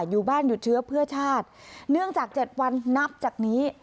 อยู่บ้านหยุดเชื้อเพื่อชาติเนื่องจาก๗วันนับจากนี้